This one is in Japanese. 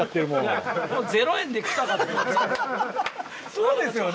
そうですよね。